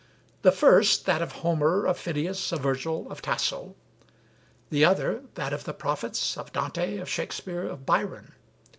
The first that of Homer, of Phidias, of Virgil, of Tasso; the other that of the Prophets, of Dante, of Shakespeare, of Byron.